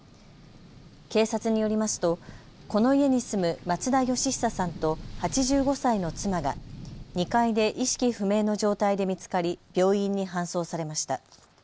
警察によりますとこの家に住む松田義久さんと８５歳の妻が２階で意識不明の状態で見つかり病院に搬送されました。